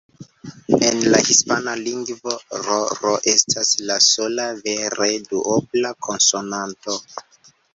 En la hispana lingvo "rr" estas la sola vere duobla konsonanto.